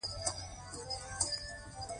د سترګو د عفونت لپاره د څه شي اوبه وکاروم؟